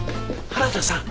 原田さん。